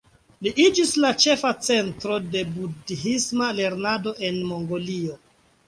Ĝi iĝis la ĉefa centro de budhisma lernado en Mongolio.